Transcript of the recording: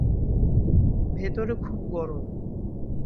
ভেতরে খুব গরম।